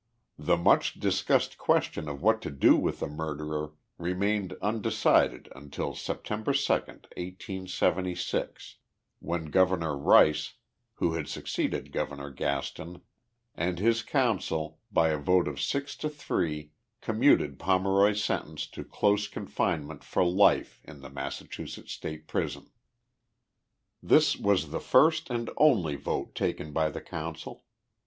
The much discussed question of what to do with the mur derer remained undecided until Sept. 2, 1S7G, when Governor Rice, who had succeeded Governor Gaston, and his council, by a vote of six to three, commuted Pomeroy's sentence to close con finement for life in the Massachusetts State Prison. This was the first and only vote taken by the Council.